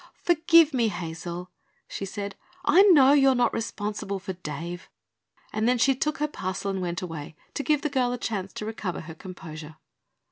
"Forgive me, Hazel," she said. "I know you are not responsible for Dave," and then she took her parcel and went away, to give the girl a chance to recover her composure.